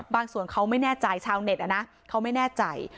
บางส่วนเขาไม่แน่ใจชาวเน็ตนะเขาไม่แน่ใจ